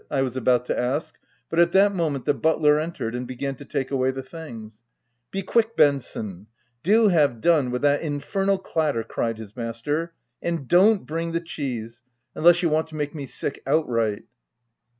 '* I was about to ask, but at that moment the butler entered and began to take away the things. €i Be quick Benson — do have done with that infernal clatter I?' cried his master — "And dont bring the cheese !— unless you want to make me sick outright."